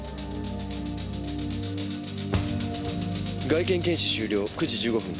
外見検視終了９時１５分。